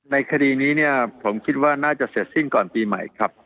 ในคดีนี้เนี่ยผมคิดว่าน่าจะเสร็จสิ้นก่อนปีใหม่ครับ